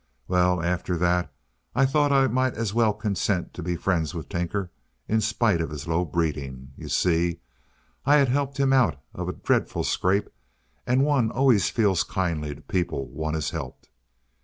Well, after that I thought I might as well consent to be friends with Tinker, in spite of his low breeding. You see, I had helped him out of a dreadful scrape, and one always feels kindly to people one has helped.